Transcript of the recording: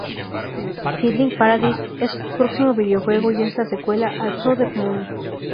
Finding Paradise es un próximo videojuego y es la secuela a "To The Moon.